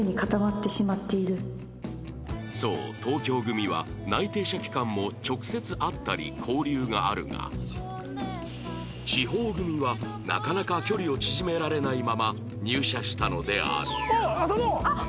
そう東京組は内定者期間も直接会ったり交流があるが地方組はなかなか距離を縮められないまま入社したのである